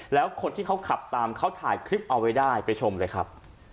แล้วคนที่เขาขับตามเขาถ่ายคลิปเอาไว้ได้ไปชมเลยครับ